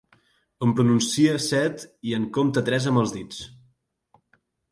En pronúncia set i en compte tres amb els dits.